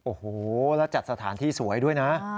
โอ้โหแล้วจัดสถานที่สวยด้วยนะ